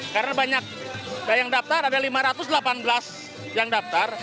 karena banyak yang daftar ada lima ratus delapan belas yang daftar